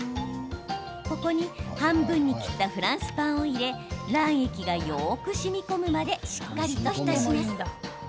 ここに半分に切ったフランスパンを入れ卵液が、よくしみこむまでしっかりと浸します。